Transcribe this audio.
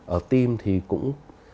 ở tim thì cũng